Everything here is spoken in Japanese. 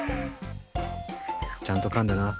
ちゃんとかんでな。